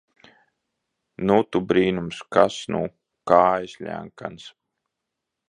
Nu, tu brīnums! Kas nu! Kājas ļenkanas...